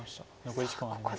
残り時間はありません。